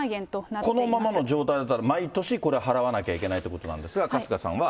だからこのままの状態だったら、毎年これ、払わなきゃいけないということなんですが、春日さんは。